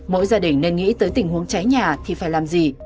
mỗi gia đình nên nghĩ tới tình huống cháy nhà thì phải làm gì